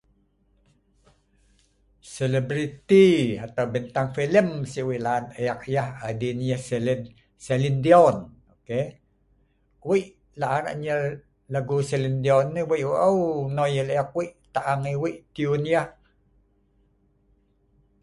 Selebriti atau bintang filem sik we’ik la’an e’ik yeh adin yeh Celine Dion kk.. we’ik la’an e’ik enyel lagu Celine Dion nei we’ik au-au noi yeh lek e’ik wei’ik au ta’ang yeh we’ik noi yeh we’ik tiun yeh